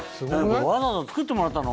わざわざ作ってもらったの？